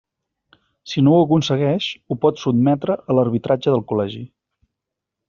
Si no ho aconsegueix, ho pot sotmetre a l'arbitratge del Col·legi.